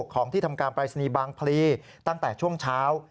ของที่ทำการปรายศนีย์บางพลีตั้งแต่ช่วงเช้า